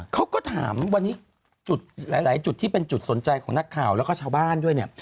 เขาก็ถามวันนี้จุดหลายจุดที่เป็นจุดสนใจของนักข่าวแล้วก็ชาวบ้านด้วยเนี่ย